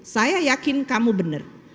saya yakin kamu benar